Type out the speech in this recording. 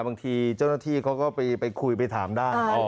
บางทีเจ้าหน้าที่เขาก็ไปคุยไปถามได้